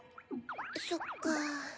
そっかぁ。